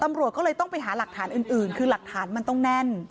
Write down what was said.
ตำรวจก็เลยต้องไปหาหลักฐานอื่นคือหลักฐานมันต้องแน่น